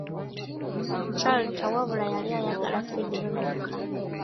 Chalter wabula yali eyagala Federo yokka.